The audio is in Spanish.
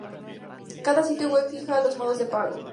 Cada sitio web fija los modos de pago.